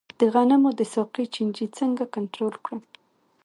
د غنمو د ساقې چینجی څنګه کنټرول کړم؟